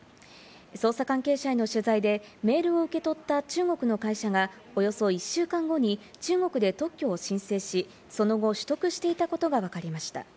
捜査関係者への取材でメールを受け取った中国の会社がおよそ１週間後に中国で特許を申請し、その後取得していたことがわかりました。